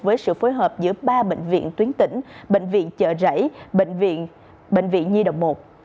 với sự phối hợp giữa ba bệnh viện tuyến tỉnh bệnh viện chợ rẫy bệnh viện nhi đồng một